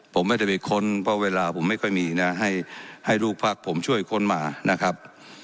ผมไม่ได้ไปค้นเพราะเวลาผมไม่ค่อยมีนะให้ลูกพักผมช่วยค้นมานะครับ